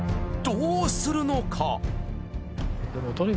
どうするのか！？